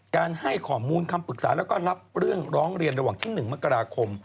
ให้ข้อมูลคำปรึกษาแล้วก็รับเรื่องร้องเรียนระหว่างที่๑มกราคม